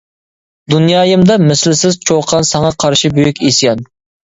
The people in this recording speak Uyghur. دۇنيايىمدا مىسلىسىز چۇقان ساڭا قارشى بۈيۈك ئىسيان.